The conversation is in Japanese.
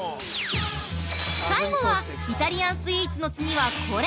◆最後は、イタリアンスイーツの次はこれ！